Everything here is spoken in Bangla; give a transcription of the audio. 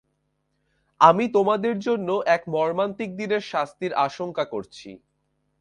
আমি তোমাদের জন্য এক মর্মান্তিক দিনের শাস্তির আশংকা করছি।